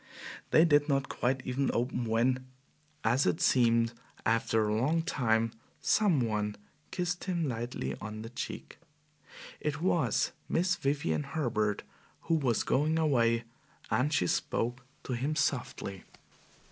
They did not even quite open when, as it seemed a long time after, some one kissed him lightly on the cheek. It was Miss Vivian Herbert, who was going away, and she spoke to him softly.